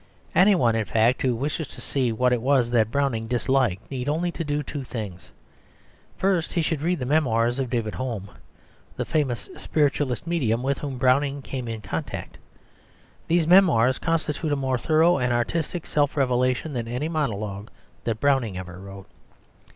Any one, in fact, who wishes to see what it was that Browning disliked need only do two things. First, he should read the Memoirs of David Home, the famous spiritualist medium with whom Browning came in contact. These Memoirs constitute a more thorough and artistic self revelation than any monologue that Browning ever wrote.